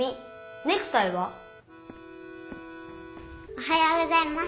おはようございます。